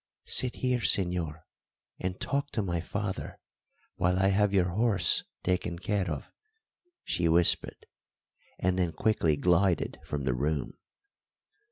"Sit here, señor, and talk to my father, while I have your horse taken care of," she whispered, and then quickly glided from the room.